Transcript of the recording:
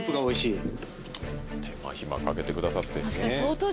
手間暇かけてくださって。